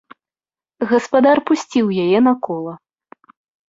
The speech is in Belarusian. Гаспадар пусціў яе на кола.